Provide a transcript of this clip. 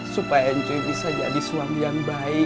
supaya nc bisa jadi suami yang baik